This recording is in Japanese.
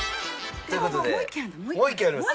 もう１軒あります。